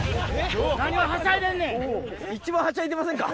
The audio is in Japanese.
・一番はしゃいでませんか？